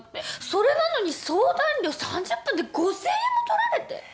それなのに相談料３０分で５０００円も取られて。